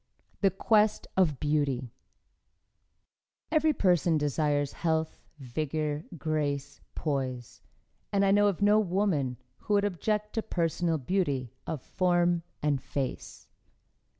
THE QUEST OF BEAUTY Every person desires health, vigor, grace, poise and I know of no woman who would object to personal beauty of form and face.